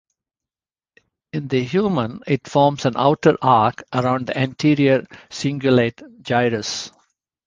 In the human it forms an outer arc around the anterior cingulate gyrus.